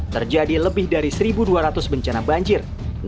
terjadi lebih dari satu dua ratus bencana banjir